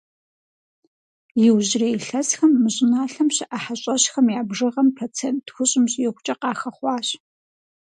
Иужьрей илъэсхэм мы щӀыналъэм щыӀэ хьэщӀэщхэм я бжыгъэм процент тхущӏым щӀигъукӀэ къахэхъуащ.